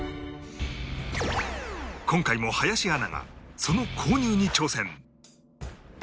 今回も林アナがその購入に挑戦！